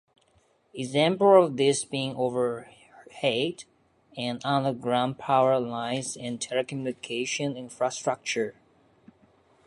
Examples of this being overhead and underground power lines and telecommunication infrastructure.